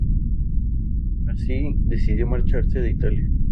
Así, decidió marcharse de Italia.